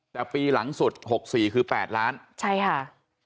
แต่ปีหลังสุด๖๔คือ๘ล้านใช่ค่ะ